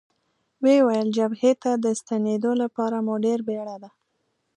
ویې ویل: جبهې ته د ستنېدو لپاره مو ډېره بېړه ده.